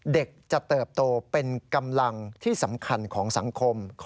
เด็กจะเติบโตเป็นกำลังที่สำคัญของสังคม